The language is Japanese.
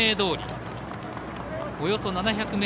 およそ７００ｍ。